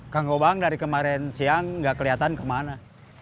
kang gobang dari kemarin siang gak keliatan kemana